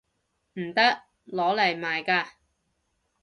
唔得！攞嚟賣㗎